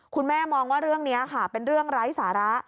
คุณแม่มองว่าเรื่องนี้ค่ะเป็นเรื่องไร้สาระ